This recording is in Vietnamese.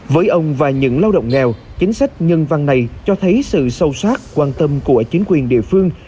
với ông và những lao động nghèo chính sách nhân văn này cho thấy sự sâu sát quan tâm của chính quyền địa phương